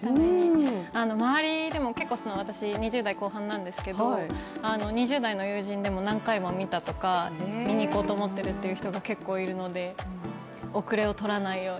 周りでも結構、私、２０代後半なんですけれども２０代の友人でも、何回も見たとか見に行こうと思ってるって人が結構いるので遅れをとらないように。